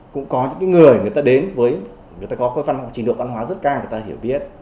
cũng có những người người ta đến với người ta có cái phân hoặc trình độ văn hóa rất ca người ta hiểu biết